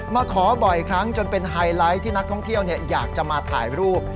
มาขอบ่อยครั้งจนเป็นไฮไลท์ที่นักท่องเที่ยวอยากจะมาถ่ายรูป